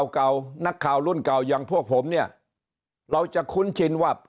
เก่านักข่าวรุ่นเก่าอย่างพวกผมเนี่ยเราจะคุ้นชินว่า